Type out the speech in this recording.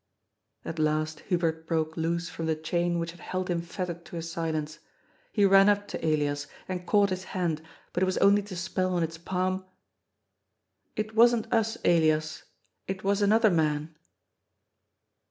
At last Hubert broke loose from the chain which had held him fettered to his silence. He ran up to Elias and caught his hand, but it was only to spell on its palm :*' It wasn't us, Elias. It was another man."